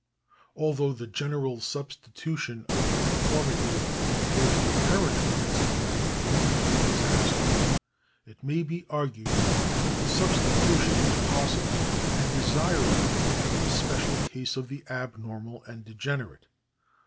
Although the general substitution of the reformative for the deterrent principle would lead to disaster, it may be argued that the substitution is possible and desirable in the special case of the abnormal and degenerate.